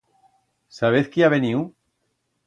Sabez quí ha veniu?